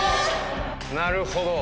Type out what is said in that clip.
なるほど。